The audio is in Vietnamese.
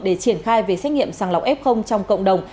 để triển khai về xét nghiệm sàng lọc f trong cộng đồng